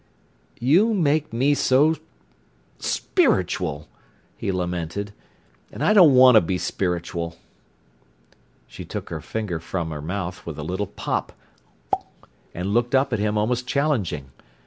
"You make me so spiritual!" he lamented. "And I don't want to be spiritual." She took her finger from her mouth with a little pop, and looked up at him almost challenging.